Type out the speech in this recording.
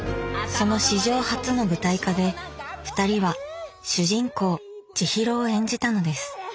その史上初の舞台化でふたりは主人公千尋を演じたのです。